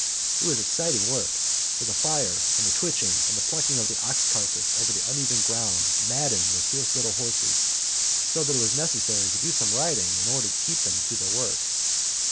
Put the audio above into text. It was exciting work, for the fire and the twitching and plucking of the ox carcass over the uneven ground maddened the fierce little horses so that it was necessary to do some riding in order to keep them to their work.